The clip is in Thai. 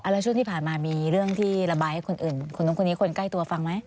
แล้วช่วงที่ผ่านมามีเรื่องที่ระบายให้คนอื่นคนนู้นคนนี้คนใกล้ตัวฟังไหม